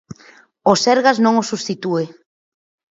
O Sergas non o substitúe.